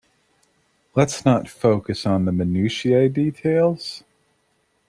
Let's not focus on the Minutiae details.